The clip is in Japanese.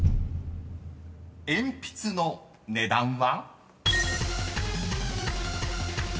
［鉛筆の値段は？］